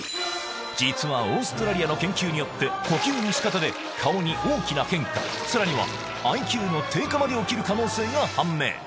実はオーストラリアの研究によって呼吸の仕方で顔に大きな変化さらにはＩＱの低下まで起きる可能性が判明